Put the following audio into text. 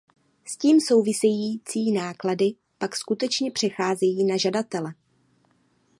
S tím související náklady pak skutečně přecházejí na žadatele.